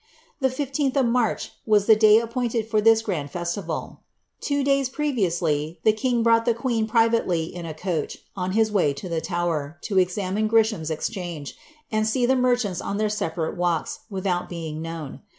The 15th of March was the day appointed for this grand festi vaL Two days previously the king brought the queen privately in a coach, on his way to the Tower, to examine Gresham's ^change, and see the merchants on their separate walks, without being known.